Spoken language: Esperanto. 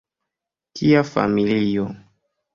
Tia familio.